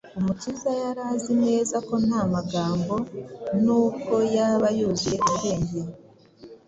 Umukiza yari azi neza ko nta magambo, nubwo yaba yuzuye ubwenge,